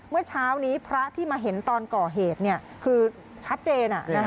เมื่อเช้านี้พระที่มาเห็นตอนก่อเหตุคือชัดเจน